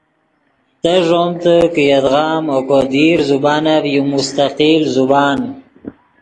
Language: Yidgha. تے ݱومتے کہ یدغا ام اوکو دیر زبانف یو مستقل زبان